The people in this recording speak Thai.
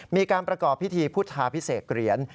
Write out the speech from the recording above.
มีการประกอบพิธีพุทธาพิเศษเหรียญ